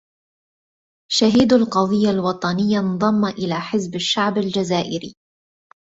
شهيد القضية الوطنية انضم إلى حزب الشعب الجزائري